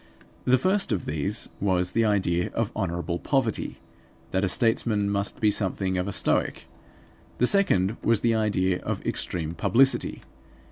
The first of these was the idea of honorable poverty; that a statesman must be something of a stoic; the second was the idea of extreme publicity.